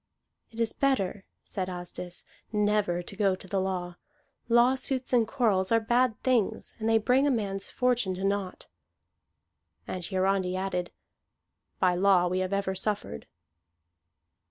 "It is better," said Asdis, "never to go to the law. Lawsuits and quarrels are bad things, and they bring a man's fortune to naught." And Hiarandi added, "By law we have ever suffered."